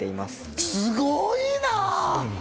すごいな！